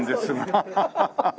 ハハハハ。